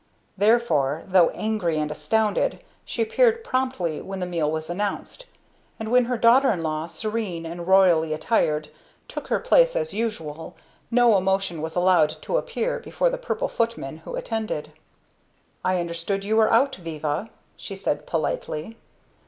Therefore, though angry and astounded, she appeared promptly when the meal was announced; and when her daughter in law, serene and royally attired, took her place as usual, no emotion was allowed to appear before the purple footman who attended. "I understood you were out, Viva," she said politely.